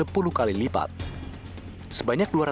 dan juga menurunkan resiko kematian lebih dari sepuluh kali